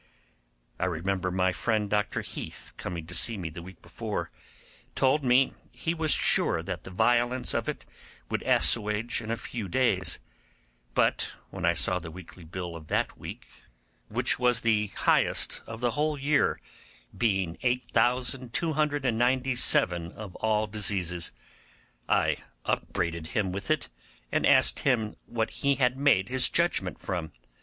I remember my friend Dr Heath, coming to see me the week before, told me he was sure that the violence of it would assuage in a few days; but when I saw the weekly bill of that week, which was the highest of the whole year, being 8297 of all diseases, I upbraided him with it, and asked him what he had made his judgement from.